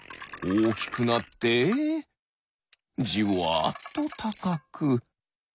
おおきくなってじわっとたかく。